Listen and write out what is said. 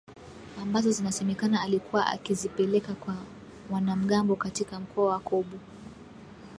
ambazo inasemekana alikuwa akizipeleka kwa wanamgambo katika mkoa wa Kobu